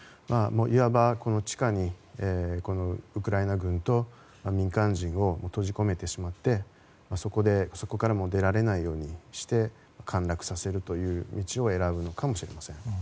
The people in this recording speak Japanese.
いわば地下にウクライナ軍と民間人を閉じ込めてしまってそこからもう出られないようにして陥落させるという道を選ぶかもしれません。